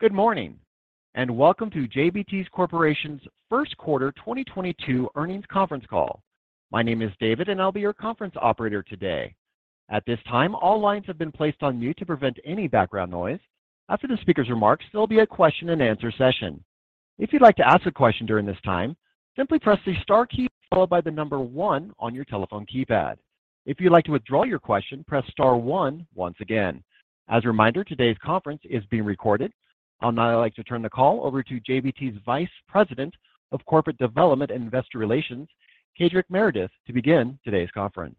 Good morning, and welcome to JBT Corporation's first quarter 2022 earnings conference call. My name is David, and I'll be your conference operator today. At this time, all lines have been placed on mute to prevent any background noise. After the speaker's remarks, there'll be a question-and-answer session. If you'd like to ask a question during this time, simply press the star key followed by the number one on your telephone keypad. If you'd like to withdraw your question, press star one once again. As a reminder, today's conference is being recorded. I'd now like to turn the call over to JBT's Vice President of Corporate Development and Investor Relations, Kedric Meredith, to begin today's conference.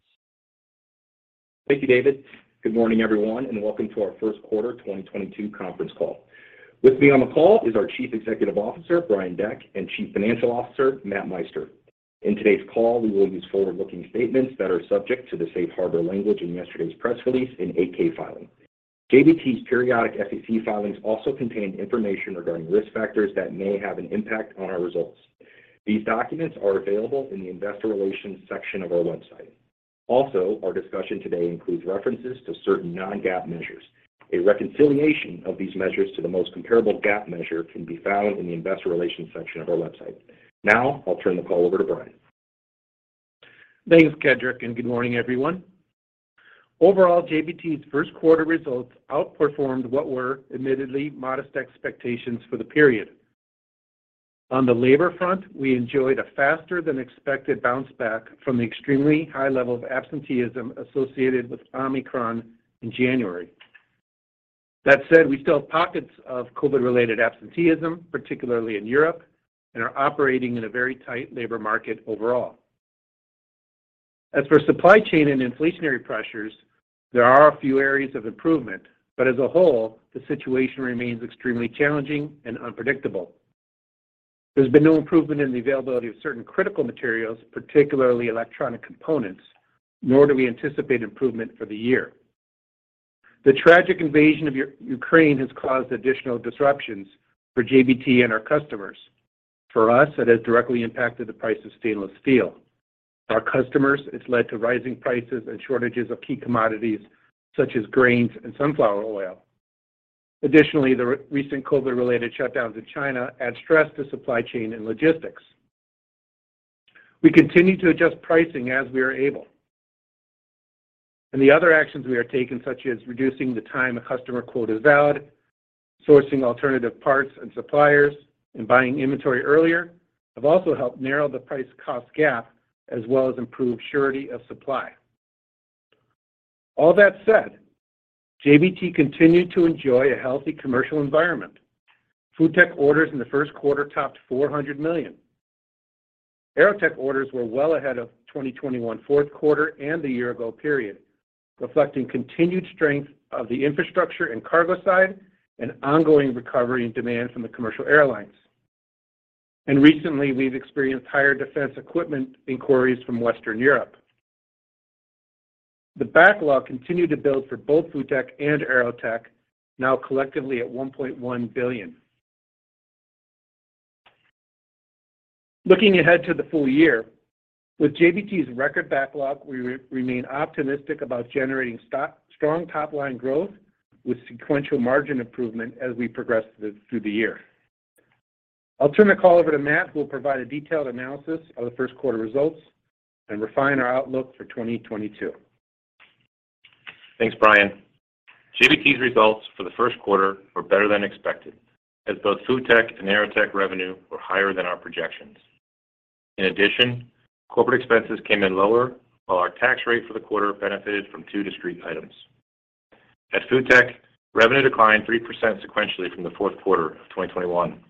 Thank you, David. Good morning, everyone, and welcome to our first quarter 2022 conference call. With me on the call is our Chief Executive Officer, Brian Deck, and Chief Financial Officer, Matt Meister. In today's call, we will use forward-looking statements that are subject to the safe harbor language in yesterday's press release and 8-K filing. JBT's periodic SEC filings also contain information regarding risk factors that may have an impact on our results. These documents are available in the investor relations section of our website. Also, our discussion today includes references to certain non-GAAP measures. A reconciliation of these measures to the most comparable GAAP measure can be found in the investor relations section of our website. Now I'll turn the call over to Brian. Thanks, Kedric, and good morning, everyone. Overall, JBT's first quarter results outperformed what were admittedly modest expectations for the period. On the labor front, we enjoyed a faster than expected bounce back from the extremely high level of absenteeism associated with Omicron in January. That said, we still have pockets of COVID-related absenteeism, particularly in Europe, and are operating in a very tight labor market overall. As for supply chain and inflationary pressures, there are a few areas of improvement, but as a whole, the situation remains extremely challenging and unpredictable. There's been no improvement in the availability of certain critical materials, particularly electronic components, nor do we anticipate improvement for the year. The tragic invasion of Ukraine has caused additional disruptions for JBT and our customers. For us, it has directly impacted the price of stainless steel. Our customers, it's led to rising prices and shortages of key commodities such as grains and sunflower oil. Additionally, the recent COVID-related shutdowns in China add stress to supply chain and logistics. We continue to adjust pricing as we are able. The other actions we are taking, such as reducing the time a customer quote is valid, sourcing alternative parts and suppliers, and buying inventory earlier, have also helped narrow the price cost gap as well as improve surety of supply. All that said, JBT continued to enjoy a healthy commercial environment. FoodTech orders in the first quarter topped $400 million. AeroTech orders were well ahead of 2021 fourth quarter and the year ago period, reflecting continued strength of the infrastructure and cargo side and ongoing recovery and demand from the commercial airlines. Recently, we've experienced higher defense equipment inquiries from Western Europe. The backlog continued to build for both FoodTech and AeroTech, now collectively at $1.1 billion. Looking ahead to the full year, with JBT's record backlog, we remain optimistic about generating strong top-line growth with sequential margin improvement as we progress through the year. I'll turn the call over to Matt, who will provide a detailed analysis of the first quarter results and refine our outlook for 2022. Thanks, Brian. JBT's results for the first quarter were better than expected as both FoodTech and AeroTech revenue were higher than our projections. In addition, corporate expenses came in lower while our tax rate for the quarter benefited from two discrete items. At FoodTech, revenue declined 3% sequentially from the fourth quarter of 2021.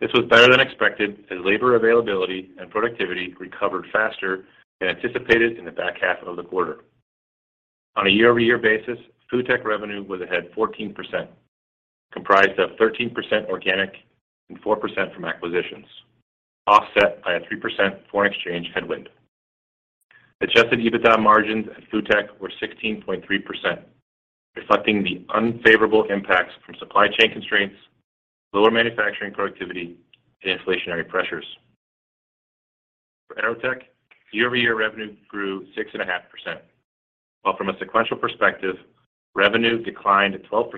This was better than expected as labor availability and productivity recovered faster than anticipated in the back half of the quarter. On a year-over-year basis, FoodTech revenue was ahead 14%, comprised of 13% organic and 4% from acquisitions, offset by a 3% foreign exchange headwind. Adjusted EBITDA margins at FoodTech were 16.3%, reflecting the unfavorable impacts from supply chain constraints, lower manufacturing productivity, and inflationary pressures. For AeroTech, year-over-year revenue grew 6.5%, while from a sequential perspective, revenue declined 12%,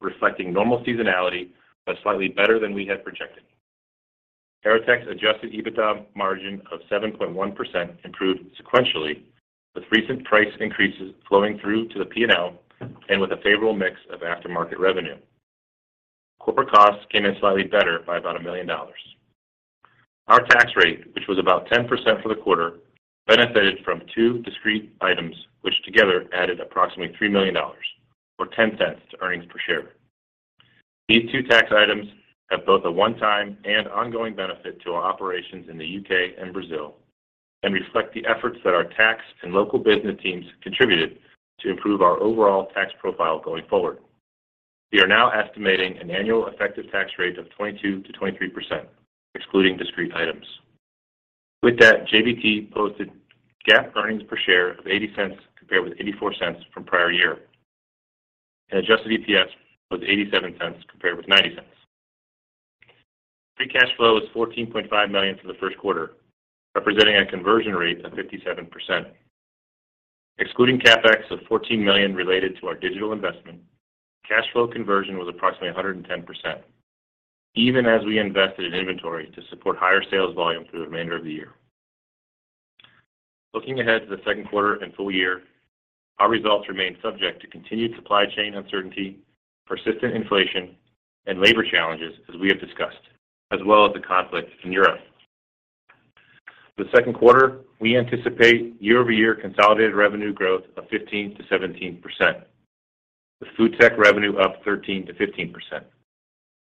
reflecting normal seasonality, but slightly better than we had projected. AeroTech's adjusted EBITDA margin of 7.1% improved sequentially with recent price increases flowing through to the P&L and with a favorable mix of aftermarket revenue. Corporate costs came in slightly better by about $1 million. Our tax rate, which was about 10% for the quarter, benefited from two discrete items which together added approximately $3 million or $0.10 to earnings per share. These two tax items have both a one-time and ongoing benefit to our operations in the U.K. and Brazil and reflect the efforts that our tax and local business teams contributed to improve our overall tax profile going forward. We are now estimating an annual effective tax rate of 22%-23%, excluding discrete items. With that, JBT posted GAAP earnings per share of $0.80 compared with $0.84 from prior year, and adjusted EPS was $0.87 compared with $0.90. Free cash flow is $14.5 million for the first quarter, representing a conversion rate of 57%. Excluding CapEx of $14 million related to our digital investment, cash flow conversion was approximately 110%, even as we invested in inventory to support higher sales volume through the remainder of the year. Looking ahead to the second quarter and full year, our results remain subject to continued supply chain uncertainty, persistent inflation, and labor challenges as we have discussed, as well as the conflict in Europe. For the second quarter, we anticipate year-over-year consolidated revenue growth of 15%-17%, with FoodTech revenue up 13%-15%,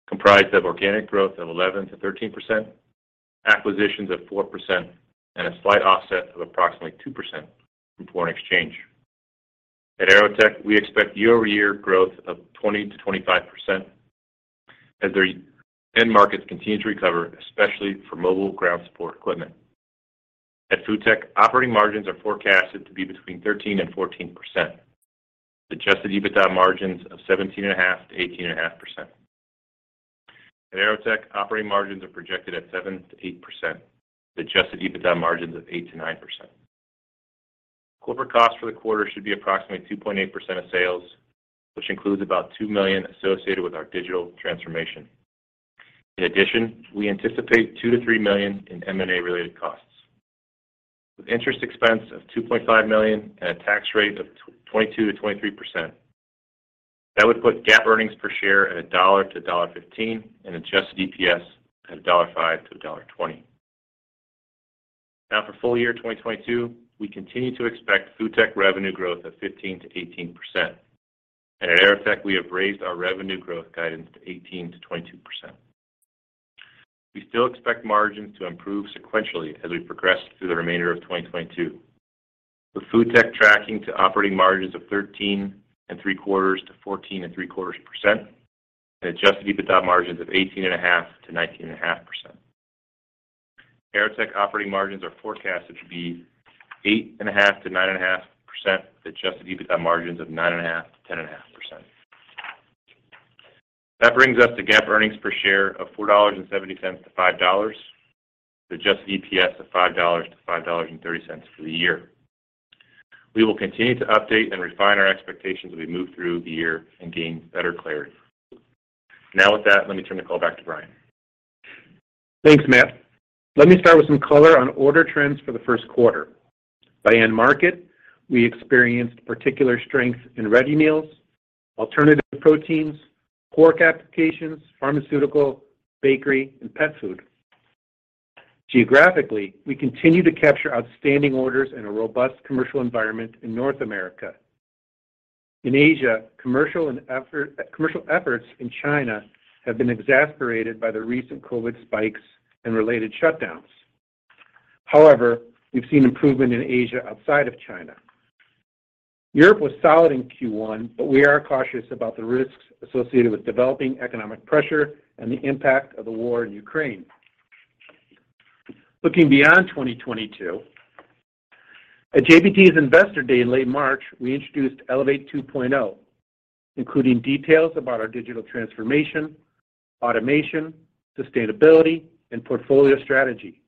comprised of organic growth of 11%-13%, acquisitions of 4%, and a slight offset of approximately 2% from foreign exchange. At AeroTech, we expect year-over-year growth of 20%-25% as their end markets continue to recover, especially for mobile ground support equipment. At FoodTech, operating margins are forecasted to be between 13% and 14%, adjusted EBITDA margins of 17.5%-18.5%. At AeroTech, operating margins are projected at 7%-8%, adjusted EBITDA margins of 8%-9%. Corporate costs for the quarter should be approximately 2.8% of sales, which includes about $2 million associated with our digital transformation. In addition, we anticipate $2-$3 million in M&A related costs. With interest expense of $2.5 million and a tax rate of 22%-23%, that would put GAAP earnings per share at $1-$1.15 and adjusted EPS at $1.05-$1.20. Now for full year 2022, we continue to expect FoodTech revenue growth of 15%-18%. At AeroTech, we have raised our revenue growth guidance to 18%-22%. We still expect margins to improve sequentially as we progress through the remainder of 2022, with FoodTech tracking to operating margins of 13.75%-14.75% and adjusted EBITDA margins of 18.5%-19.5%. AeroTech operating margins are forecasted to be 8.5%-9.5%, adjusted EBITDA margins of 9.5%-10.5%. That brings us to GAAP earnings per share of $4.70-$5, adjusted EPS of $5-$5.30 for the year. We will continue to update and refine our expectations as we move through the year and gain better clarity. Now with that, let me turn the call back to Brian. Thanks, Matt. Let me start with some color on order trends for the first quarter. By end market, we experienced particular strength in ready meals, alternative proteins, pork applications, pharmaceutical, bakery, and pet food. Geographically, we continue to capture outstanding orders in a robust commercial environment in North America. In Asia, commercial efforts in China have been exacerbated by the recent COVID spikes and related shutdowns. However, we've seen improvement in Asia outside of China. Europe was solid in Q1, but we are cautious about the risks associated with developing economic pressure and the impact of the war in Ukraine. Looking beyond 2022, at JBT's Investor Day in late March, we introduced Elevate 2.0, including details about our digital transformation, automation, sustainability, and portfolio strategy.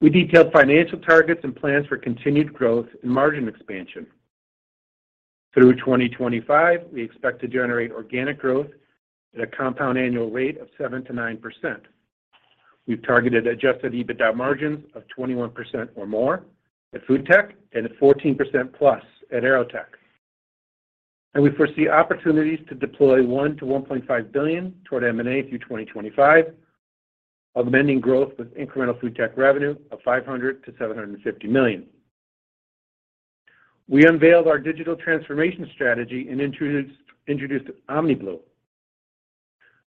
We detailed financial targets and plans for continued growth and margin expansion. Through 2025, we expect to generate organic growth at a compound annual rate of 7%-9%. We've targeted adjusted EBITDA margins of 21% or more at FoodTech and at 14%+ at AeroTech. We foresee opportunities to deploy $1 billion-$1.5 billion toward M&A through 2025, augmenting growth with incremental FoodTech revenue of $500 million-$750 million. We unveiled our digital transformation strategy and introduced OmniBlu.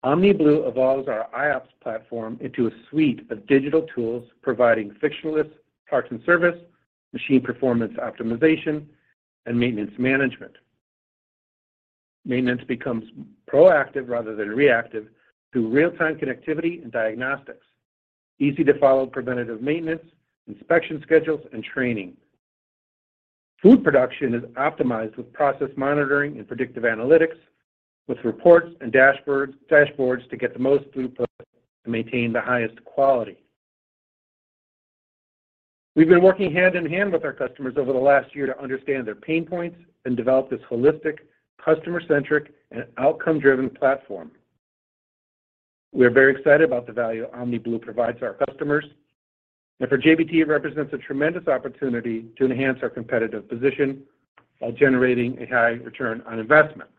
OmniBlu evolves our iOPS platform into a suite of digital tools providing frictionless parts and service, machine performance optimization, and maintenance management. Maintenance becomes proactive rather than reactive through real-time connectivity and diagnostics, easy-to-follow preventative maintenance, inspection schedules, and training. Food production is optimized with process monitoring and predictive analytics with reports and dashboards to get the most throughput and maintain the highest quality. We've been working hand in hand with our customers over the last year to understand their pain points and develop this holistic, customer-centric, and outcome-driven platform. We are very excited about the value OmniBlu provides our customers, and for JBT, it represents a tremendous opportunity to enhance our competitive position while generating a high return on investment.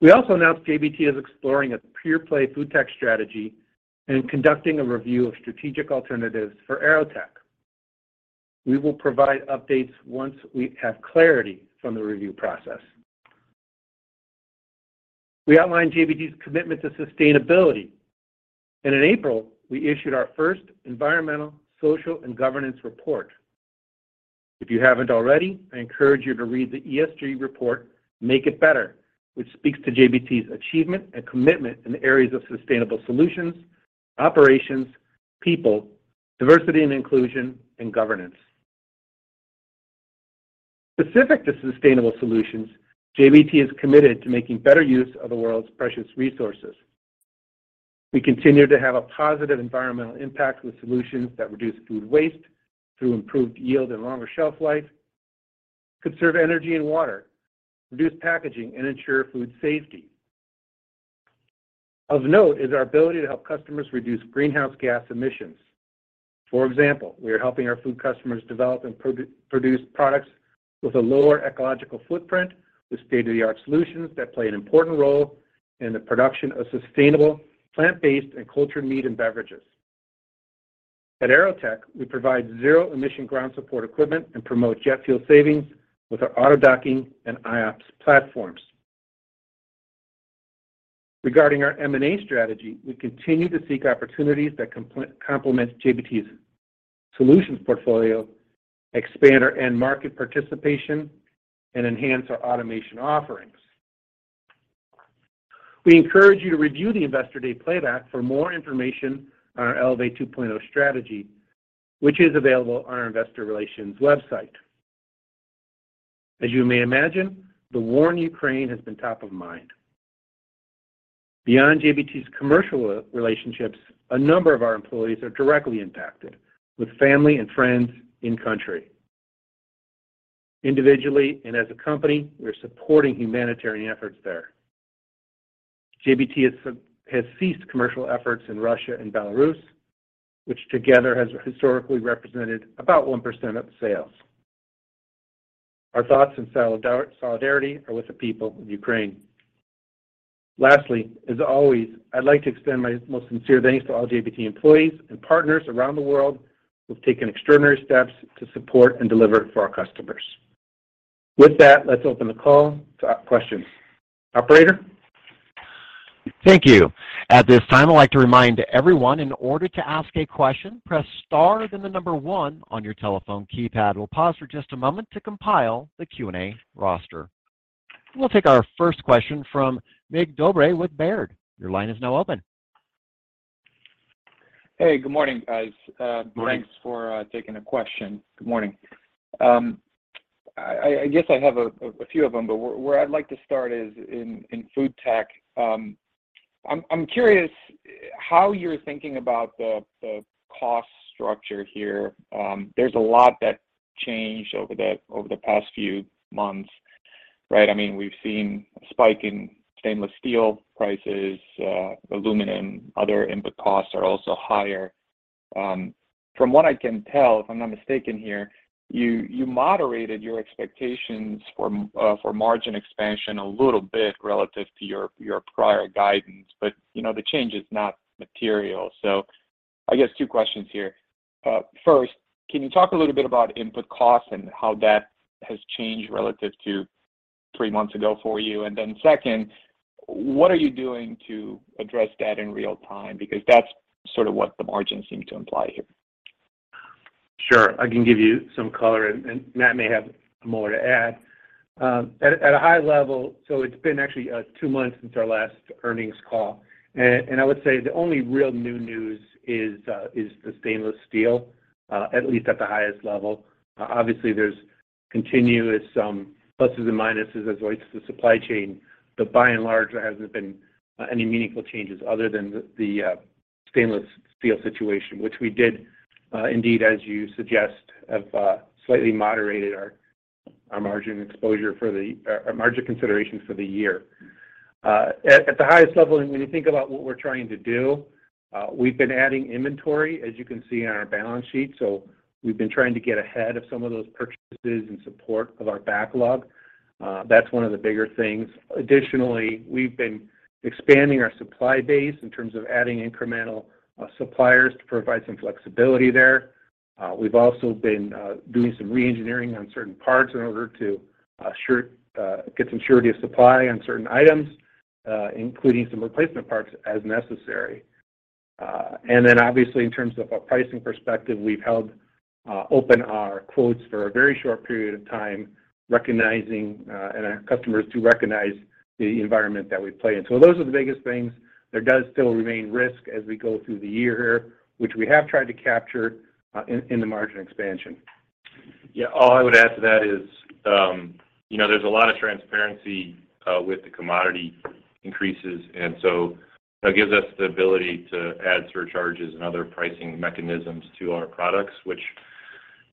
We also announced JBT is exploring a pure-play FoodTech strategy and conducting a review of strategic alternatives for AeroTech. We will provide updates once we have clarity from the review process. We outlined JBT's commitment to sustainability, and in April, we issued our first environmental, social, and governance report. If you haven't already, I encourage you to read the ESG report, Make It BETTER, which speaks to JBT's achievement and commitment in the areas of sustainable solutions, operations, people, diversity and inclusion, and governance. Specific to sustainable solutions, JBT is committed to making better use of the world's precious resources. We continue to have a positive environmental impact with solutions that reduce food waste through improved yield and longer shelf life, conserve energy and water, reduce packaging, and ensure food safety. Of note is our ability to help customers reduce greenhouse gas emissions. For example, we are helping our food customers develop and produce products with a lower ecological footprint with state-of-the-art solutions that play an important role in the production of sustainable plant-based and cultured meat and beverages. At AeroTech, we provide zero emission ground support equipment and promote jet fuel savings with our auto docking and iOPS platforms. Regarding our M&A strategy, we continue to seek opportunities that complement JBT's solutions portfolio, expand our end market participation, and enhance our automation offerings. We encourage you to review the Investor Day playback for more information on our Elevate 2.0 strategy, which is available on our investor relations website. As you may imagine, the war in Ukraine has been top of mind. Beyond JBT's commercial relationships, a number of our employees are directly impacted, with family and friends in country. Individually and as a company, we're supporting humanitarian efforts there. JBT has ceased commercial efforts in Russia and Belarus, which together has historically represented about 1% of sales. Our thoughts and solidarity are with the people of Ukraine. Lastly, as always, I'd like to extend my most sincere thanks to all JBT employees and partners around the world who've taken extraordinary steps to support and deliver for our customers. With that, let's open the call to Q&A. Operator? Thank you. At this time, I'd like to remind everyone, in order to ask a question, press star then the number one on your telephone keypad. We'll pause for just a moment to compile the Q&A roster. We'll take our first question from Mircea Dobre with Baird. Your line is now open. Hey, good morning, guys. Morning. Thanks for taking a question. Good morning. I guess I have a few of them, but where I'd like to start is in FoodTech. I'm curious how you're thinking about the cost structure here. There's a lot that changed over the past few months, right? I mean, we've seen a spike in stainless steel prices, aluminum, other input costs are also higher. From what I can tell, if I'm not mistaken here, you moderated your expectations for margin expansion a little bit relative to your prior guidance, but you know, the change is not material. I guess two questions here. First, can you talk a little bit about input costs and how that has changed relative to three months ago for you? Second, what are you doing to address that in real time? Because that's sort of what the margins seem to imply here. Sure. I can give you some color, and Matt may have more to add. At a high level, it's been actually two months since our last earnings call. I would say the only real new news is the stainless steel, at least at the highest level. Obviously, there's continuous pluses and minuses as it relates to the supply chain, but by and large, there hasn't been any meaningful changes other than the stainless steel situation, which we did indeed, as you suggest, have slightly moderated our margin exposure or margin considerations for the year. At the highest level, when you think about what we're trying to do, we've been adding inventory, as you can see on our balance sheet. We've been trying to get ahead of some of those purchases in support of our backlog. That's one of the bigger things. Additionally, we've been expanding our supply base in terms of adding incremental suppliers to provide some flexibility there. We've also been doing some re-engineering on certain parts in order to get some surety of supply on certain items, including some replacement parts as necessary. Obviously, in terms of a pricing perspective, we've held open our quotes for a very short period of time, recognizing and our customers recognize the environment that we play in. Those are the biggest things. There does still remain risk as we go through the year, which we have tried to capture in the margin expansion. Yeah. All I would add to that is, you know, there's a lot of transparency with the commodity increases, and so that gives us the ability to add surcharges and other pricing mechanisms to our products, which,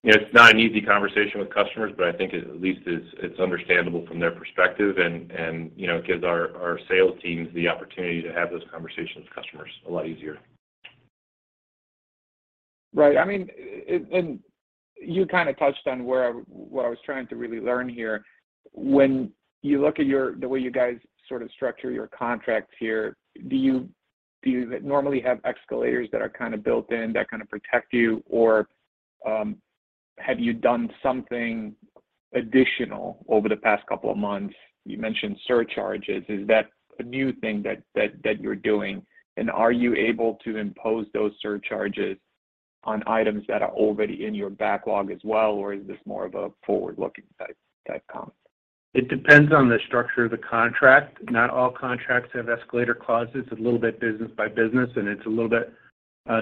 you know, it's not an easy conversation with customers, but I think at least it's understandable from their perspective and, you know, it gives our sales teams the opportunity to have those conversations with customers a lot easier. Right. I mean, and you kinda touched on what I was trying to really learn here. When you look at the way you guys sort of structure your contracts here, do you normally have escalators that are kinda built in that kinda protect you, or have you done something additional over the past couple of months? You mentioned surcharges. Is that a new thing that you're doing? Are you able to impose those surcharges on items that are already in your backlog as well, or is this more of a forward-looking type cost? It depends on the structure of the contract. Not all contracts have escalator clauses. It's a little bit business by business, and it's a little bit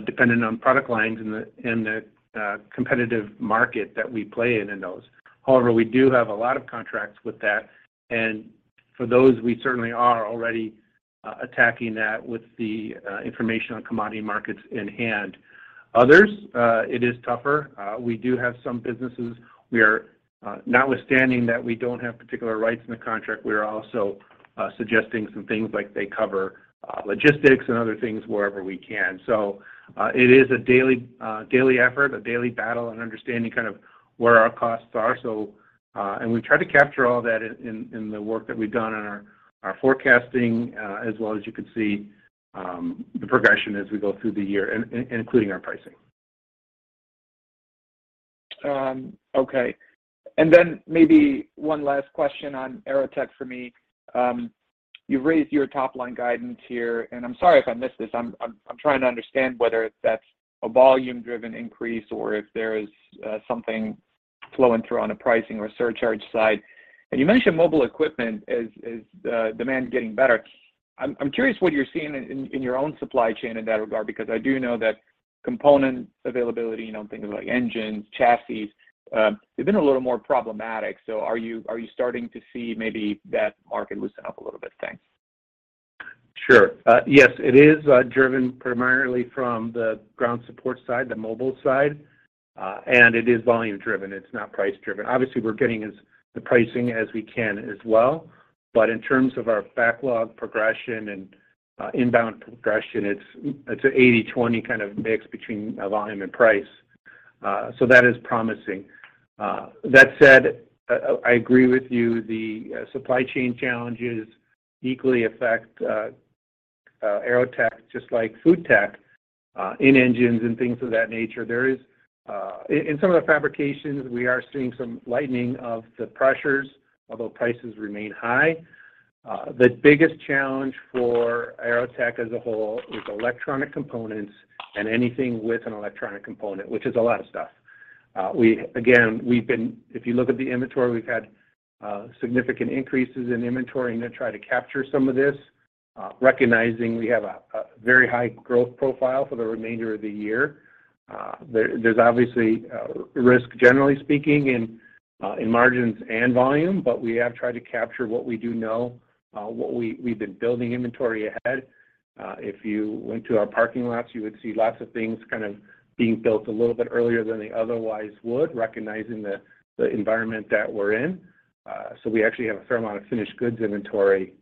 dependent on product lines and the competitive market that we play in in those. However, we do have a lot of contracts with that, and for those we certainly are already attacking that with the information on commodity markets in hand. Others, it is tougher. We do have some businesses we are, notwithstanding that we don't have particular rights in the contract, we are also suggesting some things like they cover logistics and other things wherever we can. It is a daily effort, a daily battle and understanding kind of where our costs are. We try to capture all that in the work that we've done in our forecasting, as well as you can see the progression as we go through the year, including our pricing. Okay. Maybe one last question on AeroTech for me. You've raised your top line guidance here, and I'm sorry if I missed this. I'm trying to understand whether that's a volume driven increase or if there is something flowing through on a pricing or surcharge side. You mentioned mobile equipment as demand getting better. I'm curious what you're seeing in your own supply chain in that regard, because I do know that component availability, you know, things like engines, chassis, they've been a little more problematic. Are you starting to see maybe that market loosen up a little bit? Thanks. Sure. Yes, it is driven primarily from the ground support side, the mobile side. It is volume driven. It's not price driven. Obviously, we're getting as much pricing as we can as well, but in terms of our backlog progression and inbound progression, it's a 80/20 kind of mix between volume and price. That is promising. That said, I agree with you. The supply chain challenges equally affect AeroTech, just like FoodTech, in engines and things of that nature. There is. In some of the fabrications, we are seeing some lightening of the pressures, although prices remain high. The biggest challenge for AeroTech as a whole is electronic components and anything with an electronic component, which is a lot of stuff. Again, if you look at the inventory, we've had significant increases in inventory and then try to capture some of this, recognizing we have a very high growth profile for the remainder of the year. There's obviously risk, generally speaking, in margins and volume, but we have tried to capture what we do know. We've been building inventory ahead. If you went to our parking lots, you would see lots of things kind of being built a little bit earlier than they otherwise would, recognizing the environment that we're in. So we actually have a fair amount of finished goods inventory,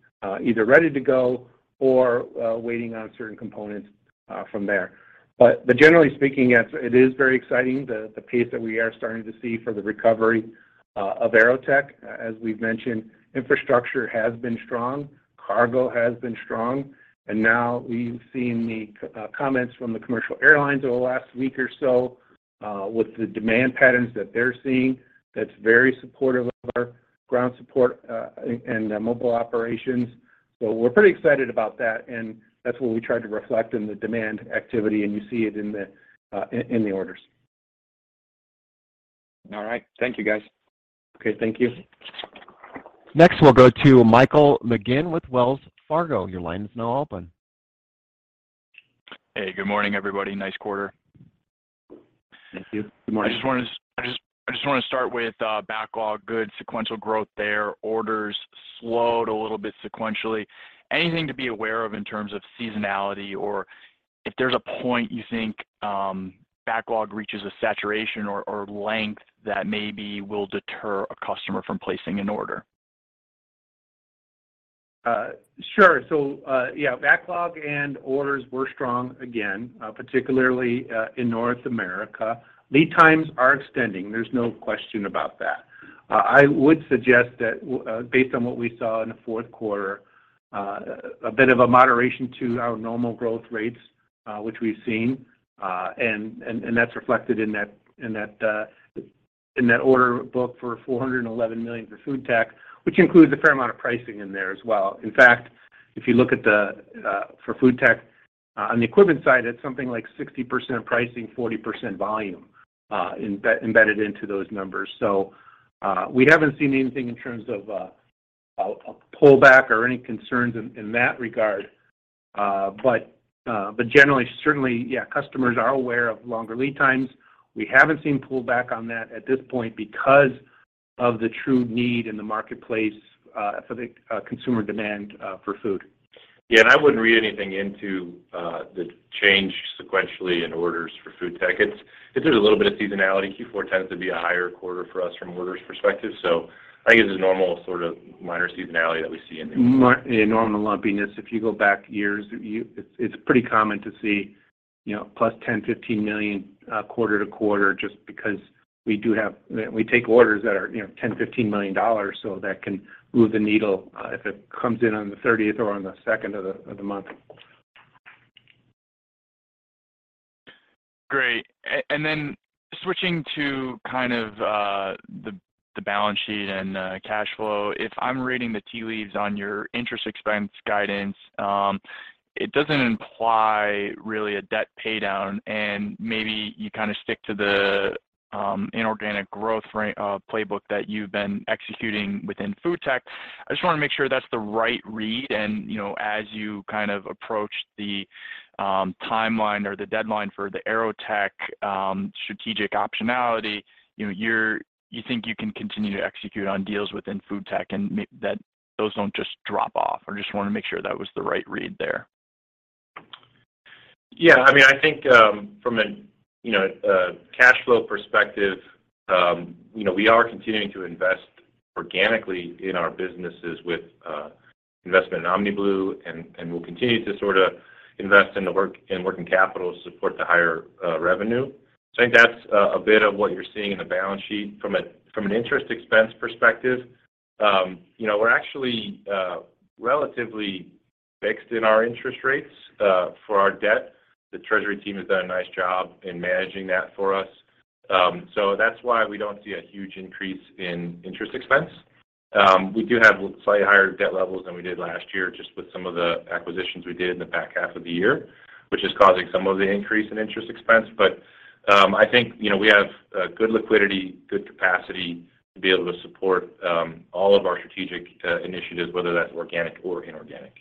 either ready to go or waiting on certain components from there. Generally speaking, yes, it is very exciting, the pace that we are starting to see for the recovery of AeroTech. As we've mentioned, infrastructure has been strong, cargo has been strong, and now we've seen the comments from the commercial airlines over the last week or so, with the demand patterns that they're seeing that's very supportive of our ground support and mobile operations. We're pretty excited about that, and that's what we try to reflect in the demand activity, and you see it in the orders. All right. Thank you, guys. Okay. Thank you. Next, we'll go to Michael McGinn with Wells Fargo. Your line is now open. Hey, good morning, everybody. Nice quarter. Thank you. Good morning. I just wanna start with backlog. Good sequential growth there. Orders slowed a little bit sequentially. Anything to be aware of in terms of seasonality or if there's a point you think backlog reaches a saturation or length that maybe will deter a customer from placing an order? Sure. Yeah, backlog and orders were strong again, particularly in North America. Lead times are extending, there's no question about that. I would suggest that based on what we saw in the fourth quarter, a bit of a moderation to our normal growth rates, which we've seen. That's reflected in that order book for $411 million for FoodTech, which includes a fair amount of pricing in there as well. In fact, if you look at for FoodTech on the equipment side, it's something like 60% pricing, 40% volume, embedded into those numbers. We haven't seen anything in terms of a pullback or any concerns in that regard. Generally, certainly, yeah, customers are aware of longer lead times. We haven't seen pullback on that at this point because of the true need in the marketplace for the consumer demand for food. Yeah, I wouldn't read anything into the change sequentially in orders for FoodTech. It's a little bit of seasonality. Q4 tends to be a higher quarter for us from orders perspective. I think it's a normal sort of minor seasonality that we see in. Normal lumpiness. If you go back years, it's pretty common to see, you know, plus $10 million-$15 million quarter-to-quarter just because we take orders that are, you know, $10 million-$15 million, so that can move the needle if it comes in on the thirtieth or on the second of the month. Great. Switching to kind of the balance sheet and cash flow. If I'm reading the tea leaves on your interest expense guidance, it doesn't imply really a debt paydown, and maybe you kind of stick to the inorganic growth rate playbook that you've been executing within FoodTech. I just wanna make sure that's the right read and, you know, as you kind of approach the timeline or the deadline for the AeroTech strategic optionality, you know, you think you can continue to execute on deals within FoodTech and that those don't just drop off. I just wanna make sure that was the right read there. Yeah. I mean, I think from a cash flow perspective, you know, we are continuing to invest organically in our businesses with investment in OmniBlu and we'll continue to sort of invest in working capital to support the higher revenue. I think that's a bit of what you're seeing in the balance sheet. From an interest expense perspective, you know, we're actually relatively fixed in our interest rates for our debt. The treasury team has done a nice job in managing that for us. So that's why we don't see a huge increase in interest expense. We do have slightly higher debt levels than we did last year, just with some of the acquisitions we did in the back half of the year, which is causing some of the increase in interest expense. I think, you know, we have good liquidity, good capacity to be able to support all of our strategic initiatives, whether that's organic or inorganic.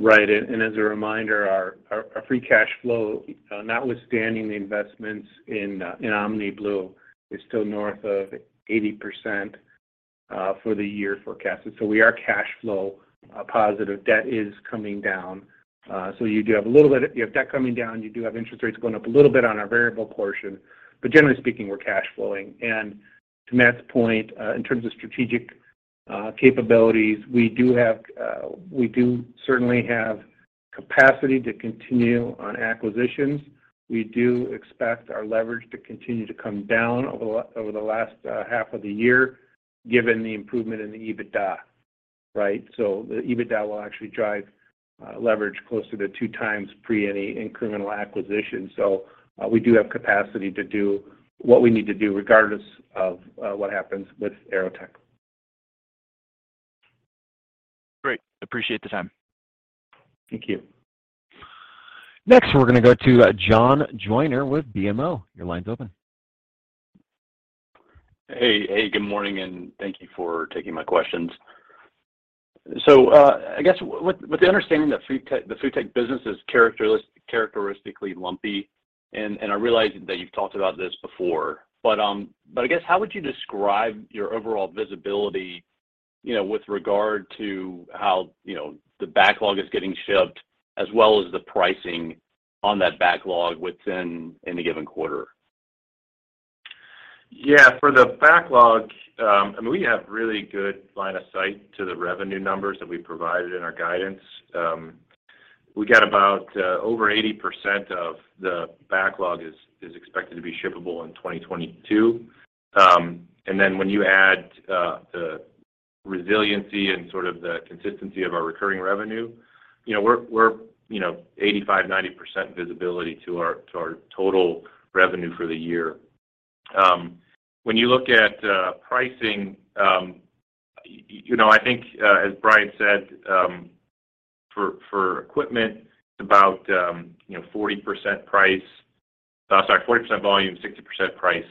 As a reminder, our free cash flow, notwithstanding the investments in OmniBlu, is still north of 80% for the year forecasted. We are cash flow positive. Debt is coming down. You have debt coming down, you have interest rates going up a little bit on our variable portion. Generally speaking, we're cash flowing. To Matt's point, in terms of strategic capabilities, we do certainly have capacity to continue on acquisitions. We do expect our leverage to continue to come down over the last half of the year, given the improvement in the EBITDA, right. The EBITDA will actually drive leverage closer to 2x pre any incremental acquisition. We do have capacity to do what we need to do regardless of what happens with AeroTech. Great. Appreciate the time. Thank you. Next, we're gonna go to John Joyner with BMO. Your line's open. Hey. Hey, good morning, and thank you for taking my questions. I guess with the understanding that FoodTech, the FoodTech business is characteristically lumpy, and I realize that you've talked about this before, but I guess how would you describe your overall visibility, you know, with regard to how, you know, the backlog is getting shipped as well as the pricing on that backlog within any given quarter? Yeah. For the backlog, I mean, we have really good line of sight to the revenue numbers that we provided in our guidance. We got about over 80% of the backlog is expected to be shippable in 2022. When you add the resiliency and sort of the consistency of our recurring revenue, you know, we're you know, 85%-90% visibility to our total revenue for the year. When you look at pricing, you know, I think, as Brian said, for equipment, about 40% volume, 60% price.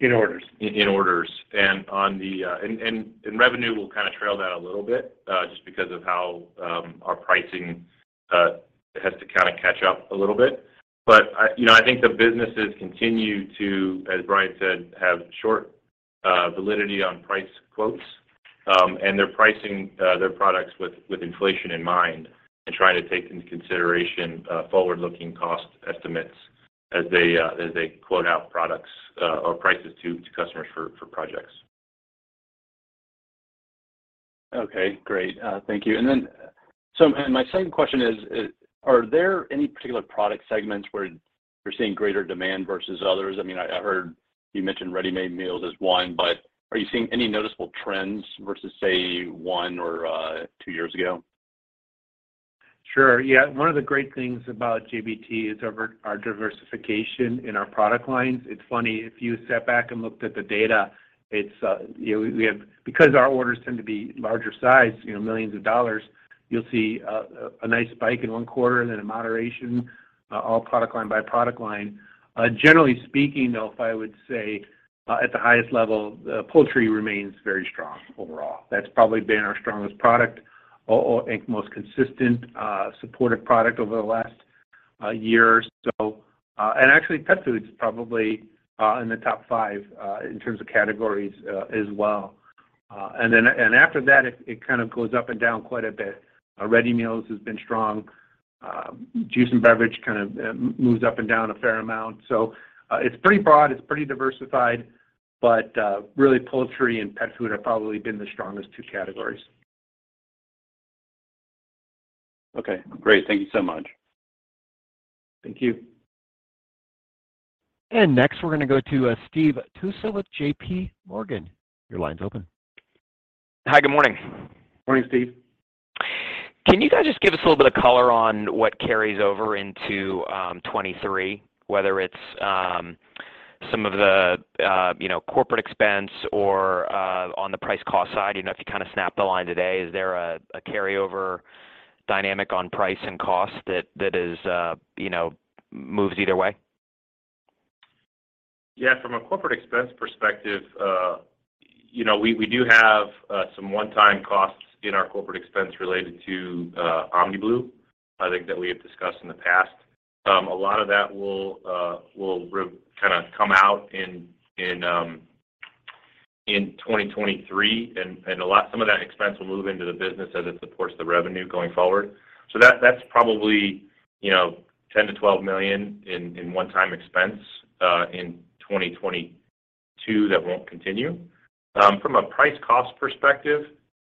In orders. in orders. Revenue will kind of trail that a little bit, just because of how our pricing has to kind of catch up a little bit. But I, you know, I think the businesses continue to, as Brian said, have short validity on price quotes. They're pricing their products with inflation in mind and trying to take into consideration forward-looking cost estimates as they quote out products or prices to customers for projects. Okay. Great. Thank you. My second question is, are there any particular product segments where you're seeing greater demand versus others? I mean, I heard you mention ready-made meals as one, but are you seeing any noticeable trends versus, say, one or two years ago? Sure, yeah. One of the great things about JBT is our diversification in our product lines. It's funny, if you sat back and looked at the data, because our orders tend to be larger size, you know, millions of dollars, you'll see a nice spike in one quarter and then a moderation all product line by product line. Generally speaking, though, if I would say at the highest level, poultry remains very strong overall. That's probably been our strongest product and most consistent supportive product over the last year or so. Actually pet food's probably in the top five in terms of categories as well. After that it kind of goes up and down quite a bit. Ready meals has been strong. Juice and beverage kind of moves up and down a fair amount. It's pretty broad, it's pretty diversified, but really poultry and pet food have probably been the strongest two categories. Okay, great. Thank you so much. Thank you. Next, we're gonna go to Steve Tusa with JPMorgan. Your line's open. Hi, good morning. Morning, Steve. Can you guys just give us a little bit of color on what carries over into 2023, whether it's some of the you know, corporate expense or on the price cost side? You know, if you kind of snap the line today, is there a carryover dynamic on price and cost that is you know, moves either way? Yeah, from a corporate expense perspective, you know, we do have some one-time costs in our corporate expense related to OmniBlu, I think that we have discussed in the past. A lot of that will kinda come out in 2023. Some of that expense will move into the business as it supports the revenue going forward. That's probably, you know, $10 million-$12 million in one-time expense in 2022 that won't continue. From a price cost perspective,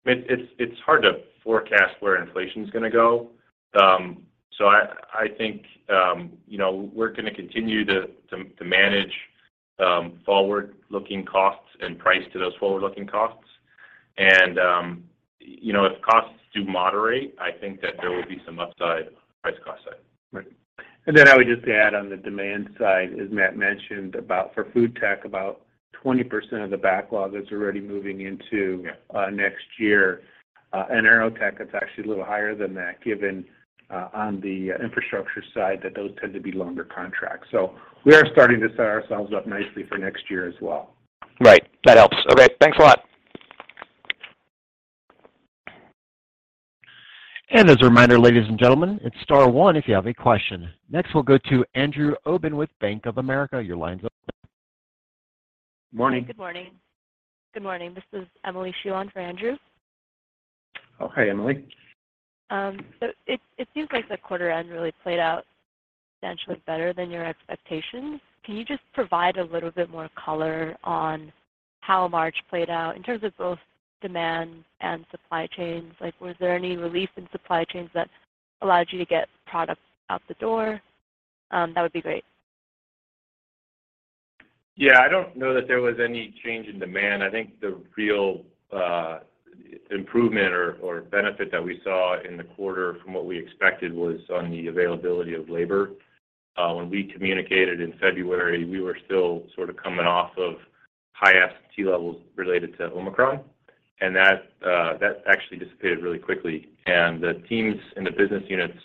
it's hard to forecast where inflation's gonna go. I think, you know, we're gonna continue to manage forward-looking costs and price to those forward-looking costs. You know, if costs do moderate, I think that there will be some upside price cost side. Right. I would just add on the demand side, as Matt mentioned, about for FoodTech, about 20% of the backlog that's already moving into. Yeah Next year. AeroTech, it's actually a little higher than that, given, on the infrastructure side, that those tend to be longer contracts. We are starting to set ourselves up nicely for next year as well. Right. That helps. Okay, thanks a lot. As a reminder, ladies and gentlemen, it's star one if you have a question. Next, we'll go to Andrew Obin with Bank of America. Your line's open. Morning. Good morning. This is Emily Shuan for Andrew. Oh, hey, Emily. It seems like the quarter end really played out potentially better than your expectations. Can you just provide a little bit more color on how March played out in terms of both demand and supply chains? Like, was there any relief in supply chains that allowed you to get products out the door? That would be great. Yeah. I don't know that there was any change in demand. I think the real improvement or benefit that we saw in the quarter from what we expected was on the availability of labor. When we communicated in February, we were still sort of coming off of high absentee levels related to Omicron, and that actually dissipated really quickly. The teams and the business units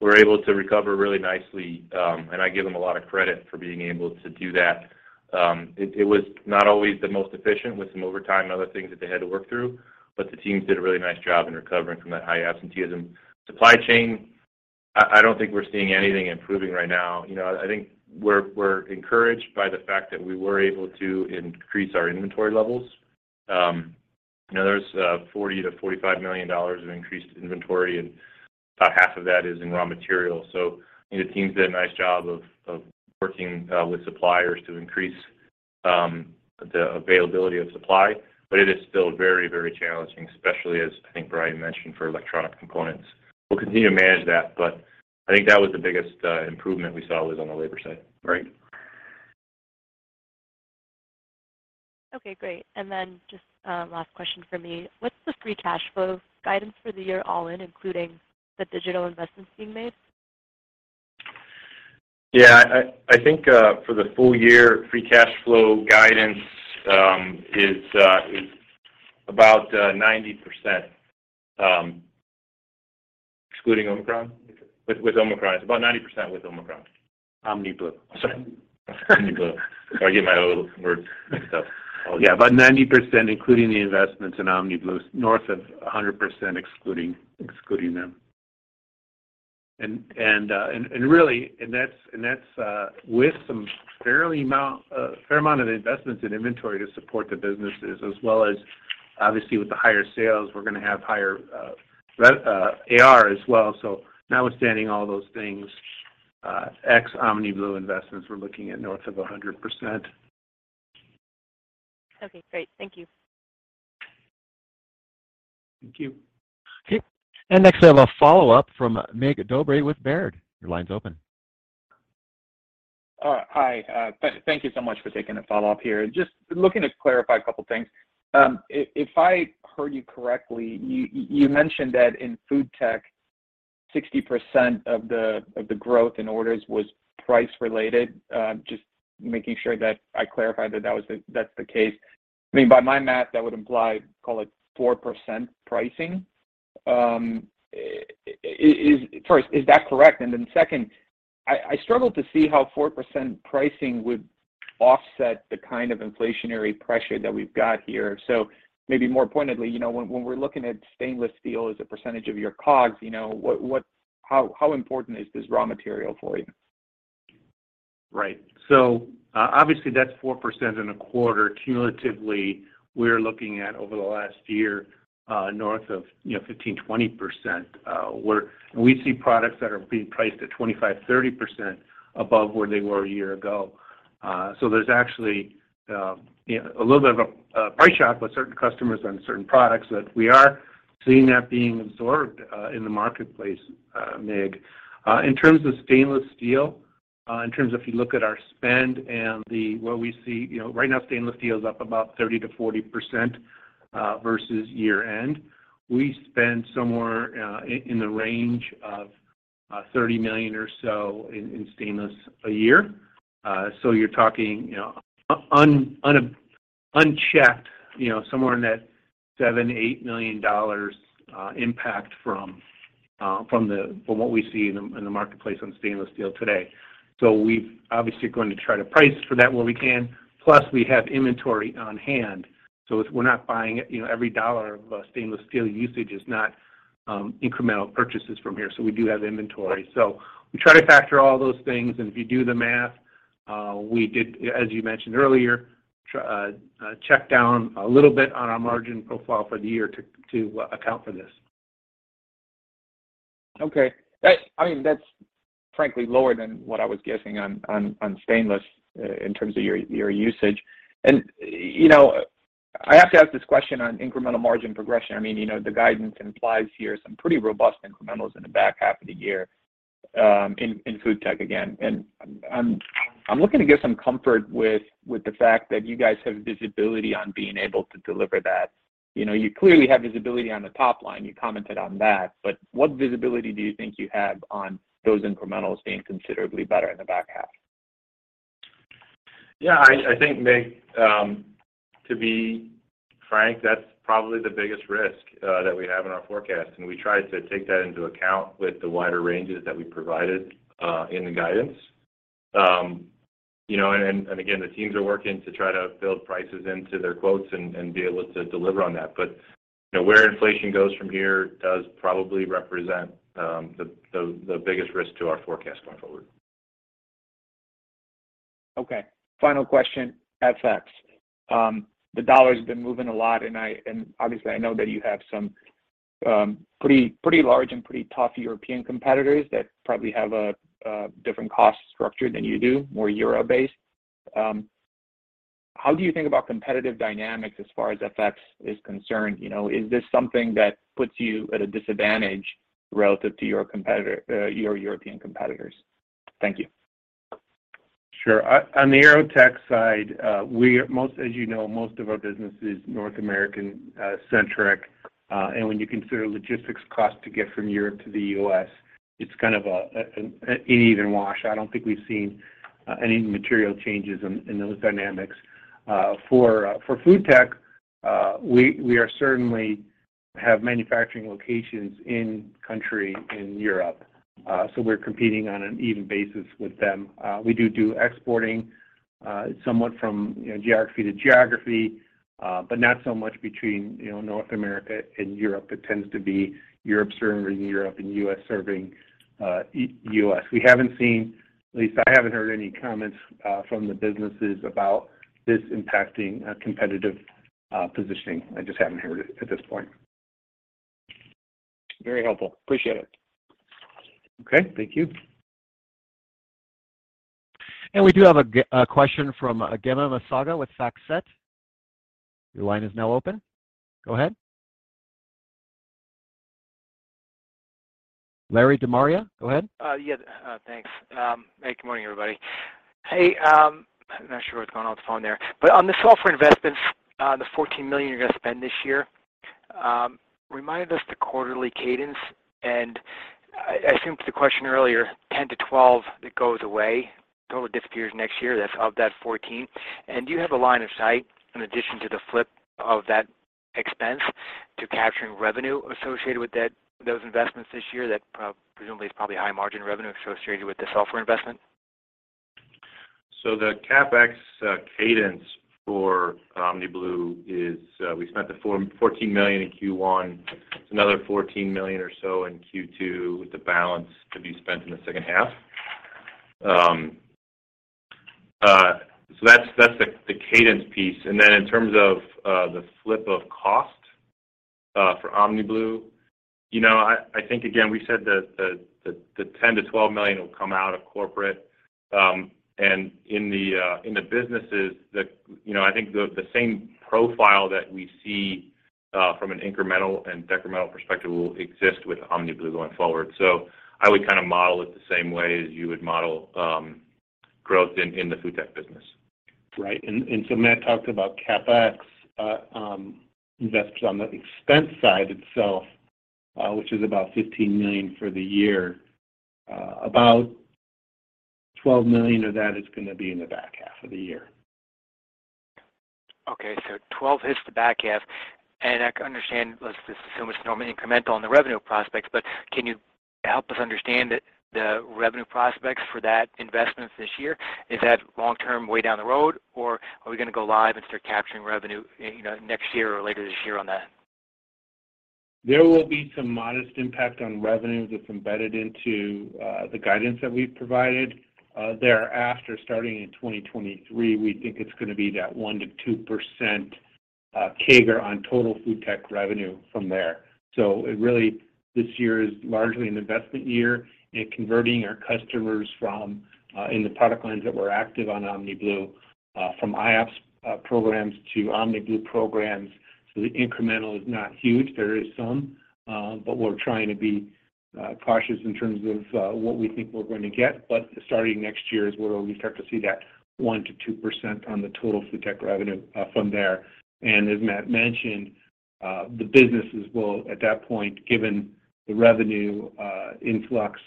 were able to recover really nicely, and I give them a lot of credit for being able to do that. It was not always the most efficient with some overtime and other things that they had to work through, but the teams did a really nice job in recovering from that high absenteeism. Supply chain, I don't think we're seeing anything improving right now. You know, I think we're encouraged by the fact that we were able to increase our inventory levels. You know, there's $40 million-$45 million of increased inventory, and about half of that is in raw materials. You know, the team did a nice job of working with suppliers to increase the availability of supply, but it is still very, very challenging, especially as I think Brian mentioned for electronic components. We'll continue to manage that, but I think that was the biggest improvement we saw was on the labor side. Right. Okay, great. Just last question from me. What's the free cash flow guidance for the year all in, including the digital investments being made? Yeah. I think for the full year, free cash flow guidance is about 90%. Excluding Omicron? With Omicron. It's about 90% with Omicron. OmniBlu. Sorry. OmniBlu. I get my O words mixed up. Yeah. About 90%, including the investments in OmniBlu's, north of 100% excluding them. That's with some fair amount of investments in inventory to support the businesses, as well as obviously with the higher sales, we're gonna have higher AR as well. Notwithstanding all those things, ex OmniBlu investments, we're looking at north of 100%. Okay, great. Thank you. Thank you. Okay. Next, we have a follow-up from Mircea Dobre with Baird. Your line's open. Thank you so much for taking the follow-up here. Just looking to clarify a couple things. If I heard you correctly, you mentioned that in FoodTech, 60% of the growth in orders was price related. Just making sure that I clarified that that's the case. I mean, by my math, that would imply, call it 4% pricing. First, is that correct? Then second, I struggle to see how 4% pricing would offset the kind of inflationary pressure that we've got here. Maybe more pointedly, you know, when we're looking at stainless steel as a percentage of your COGS, you know, what how important is this raw material for you? Right. Obviously that's 4% in a quarter. Cumulatively, we're looking at over the last year, north of, you know, 15%, 20%, where we see products that are being priced at 25%, 30% above where they were a year ago. So there's actually, you know, a little bit of a price shock with certain customers on certain products that we are seeing that being absorbed in the marketplace, Mircea. In terms of stainless steel, in terms of if you look at our spend and what we see, you know, right now stainless steel is up about 30%-40% versus year-end. We spend somewhere in the range of $30 million or so in stainless a year. you're talking, you know, unabated, unchecked, you know, somewhere in that $7 million-$8 million impact from what we see in the marketplace on stainless steel today. We're obviously going to try to price for that where we can, plus we have inventory on hand, so it's, we're not buying it. You know, every dollar of stainless steel usage is not incremental purchases from here. We do have inventory. We try to factor all those things, and if you do the math, we did, as you mentioned earlier, check down a little bit on our margin profile for the year to account for this. Okay. That I mean, that's frankly lower than what I was guessing on stainless in terms of your usage. You know, I have to ask this question on incremental margin progression. I mean, you know, the guidance implies here some pretty robust incrementals in the back half of the year in FoodTech again. I'm looking to get some comfort with the fact that you guys have visibility on being able to deliver that. You know, you clearly have visibility on the top line, you commented on that, but what visibility do you think you have on those incrementals being considerably better in the back half? Yeah, I think, Mircea, to be frank, that's probably the biggest risk that we have in our forecast, and we tried to take that into account with the wider ranges that we provided in the guidance. You know, again, the teams are working to try to build prices into their quotes and be able to deliver on that. You know, where inflation goes from here does probably represent the biggest risk to our forecast going forward. Okay. Final question. FX. The dollar's been moving a lot, and obviously I know that you have some pretty large and pretty tough European competitors that probably have a different cost structure than you do, more euro-based. How do you think about competitive dynamics as far as FX is concerned? You know, is this something that puts you at a disadvantage relative to your competitor, your European competitors? Thank you. Sure. On the AeroTech side, as you know, most of our business is North American centric, and when you consider logistics cost to get from Europe to the U.S., it's kind of an even wash. I don't think we've seen any material changes in those dynamics. For FoodTech, we certainly have manufacturing locations in country in Europe, so we're competing on an even basis with them. We do exporting, somewhat from, you know, geography to geography, but not so much between, you know, North America and Europe. It tends to be Europe serving within Europe and U.S. serving U.S. We haven't seen, at least I haven't heard any comments from the businesses about this impacting competitive positioning. I just haven't heard it at this point. Very helpful. Appreciate it. Okay. Thank you. We do have a Q&A question from Gemma Massaga with FactSet. Your line is now open. Go ahead. Larry De Maria, go ahead. Thanks. Good morning, everybody. I'm not sure what's going on with the phone there. On the software investments, the $14 million you're gonna spend this year, remind us the quarterly cadence, and I think the question earlier, $10-$12 million, it goes away, totally disappears next year. That's of that $14 million. Do you have a line of sight in addition to the flip of that expense to capturing revenue associated with those investments this year that presumably is probably high margin revenue associated with the software investment? The CapEx cadence for OmniBlu is, we spent the $14 million in Q1. It's another $14 million or so in Q2, with the balance to be spent in the second half. That's the cadence piece. In terms of the flip of cost for OmniBlu, you know, I think again, we said the $10 million-$12 million will come out of corporate, and in the businesses that, you know, I think the same profile that we see from an incremental and decremental perspective will exist with OmniBlu going forward. I would kind of model it the same way as you would model growth in the FoodTech business. Right. Matt talked about CapEx investments on the expense side itself, which is about $15 million for the year. About $12 million of that is gonna be in the back half of the year. Okay. 12 hits the back half, and I can understand let's just assume it's normally incremental on the revenue prospects, but can you help us understand the revenue prospects for that investment this year? Is that long-term way down the road, or are we gonna go live and start capturing revenue, you know, next year or later this year on that? There will be some modest impact on revenue that's embedded into the guidance that we've provided thereafter, starting in 2023. We think it's gonna be that 1%-2% CAGR on total FoodTech revenue from there. This year is largely an investment year in converting our customers from in the product lines that were active on OmniBlu from iOPS programs to OmniBlu programs. The incremental is not huge. There is some, but we're trying to be cautious in terms of what we think we're going to get. Starting next year is where we start to see that 1%-2% on the total FoodTech revenue from there. As Matt mentioned, the businesses will, at that point, given the revenue influx.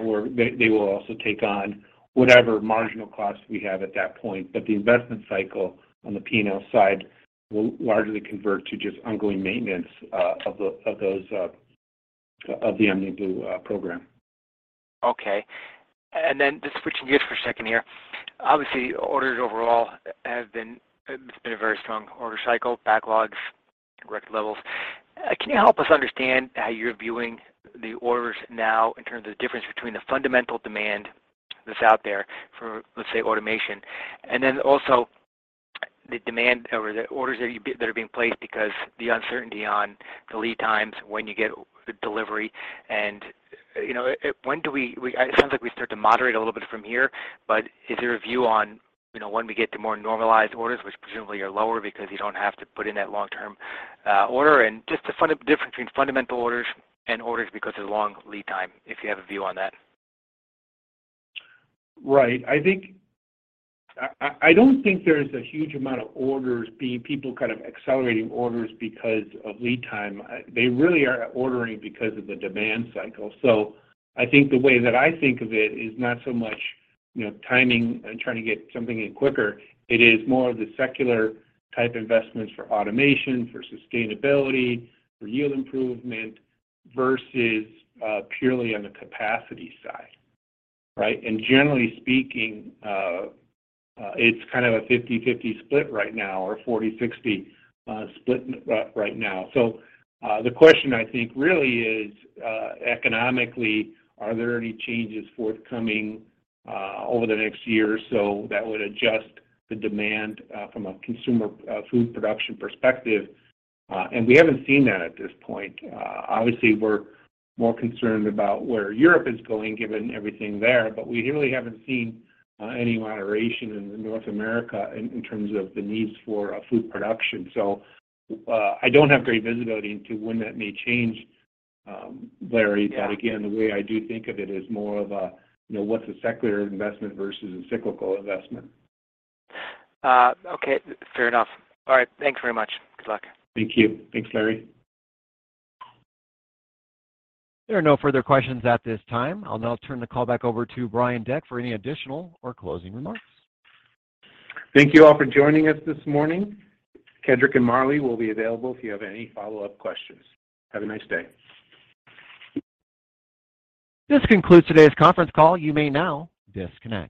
Or they will also take on whatever marginal costs we have at that point. The investment cycle on the P&L side will largely convert to just ongoing maintenance of the OmniBlu program. Okay. Just switching gears for a second here. Obviously, orders overall have been a very strong order cycle, backlogs, record levels. Can you help us understand how you're viewing the orders now in terms of the difference between the fundamental demand that's out there for, let's say, automation, and then also the demand or the orders that are being placed because the uncertainty on the lead times when you get the delivery? You know, it sounds like we start to moderate a little bit from here, but is there a view on, you know, when we get to more normalized orders, which presumably are lower because you don't have to put in that long-term, order? Just the difference between fundamental orders and orders because of the long lead time, if you have a view on that. Right. I don't think there is a huge amount of people kind of accelerating orders because of lead time. They really are ordering because of the demand cycle. I think the way that I think of it is not so much, you know, timing and trying to get something in quicker. It is more of the secular type investments for automation, for sustainability, for yield improvement versus purely on the capacity side, right? Generally speaking, it's kind of a 50/50 split right now, or a 40/60 split right now. The question I think really is, economically, are there any changes forthcoming over the next year or so that would adjust the demand from a consumer food production perspective? We haven't seen that at this point. Obviously, we're more concerned about where Europe is going, given everything there, but we really haven't seen any moderation in North America in terms of the needs for food production. I don't have great visibility into when that may change, Larry De Maria. Again, the way I do think of it is more of a, you know, what's a secular investment versus a cyclical investment. Okay. Fair enough. All right. Thanks very much. Good luck. Thank you. Thanks, Larry. There are no further questions at this time. I'll now turn the call back over to Brian Deck for any additional or closing remarks. Thank you all for joining us this morning. Kedric and Marlee will be available if you have any follow-up questions. Have a nice day. This concludes today's conference call. You may now disconnect.